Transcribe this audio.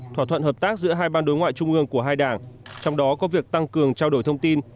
thỏa thuận hợp tác giữa hai ban đối ngoại trung ương của hai đảng trong đó có việc tăng cường trao đổi thông tin